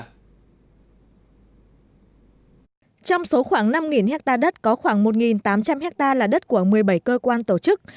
trong số khoảng năm hectare đất có khoảng một tám trăm linh hectare là đất của một mươi bảy cơ quan tổ chức